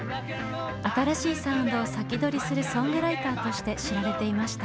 新しいサウンドを先取りするソングライターとして知られていました。